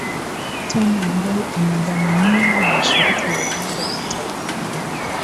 tano ambao unadhaminiwa na shirika la umoja wa mataifa